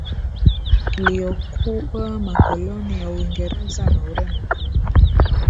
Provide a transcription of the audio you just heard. Iliyokuwa makoloni ya Uingereza na Ureno kuna